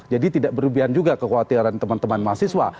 jadi tidak berlebihan juga kekhawatiran teman teman mahasiswa